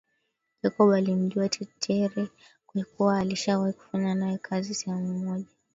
Jacob alimjua Tetere kwa kuwa alishawahi kufanya naye kazi sehemu moja